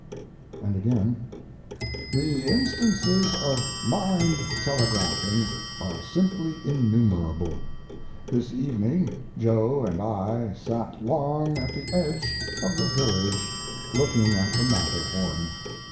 And again: The instances of mind telegraphing are simply innumerable. This evening Joe and I sat long at the edge of the village looking at the Matterhorn.